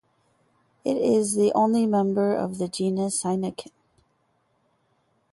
It is the only member of the genus Cyanochen.